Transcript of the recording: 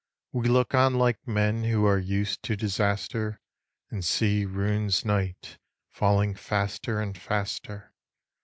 We look on like men Who are used to disaster, And see ruin's night Falling faster and faster.